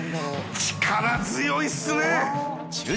力強いですね！